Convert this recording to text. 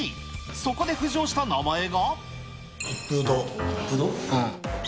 そこで浮上した名前が。